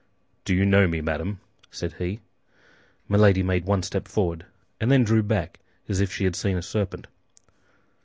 "Do you know me, madame?" said he. Milady made one step forward, and then drew back as if she had seen a serpent.